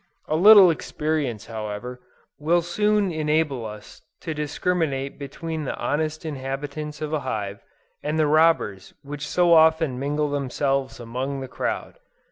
A little experience however, will soon enable us to discriminate between the honest inhabitants of a hive, and the robbers which so often mingle themselves among the crowd.